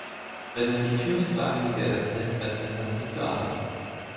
Wenn man die Türen für einige öffnet, öffnet man sie für alle.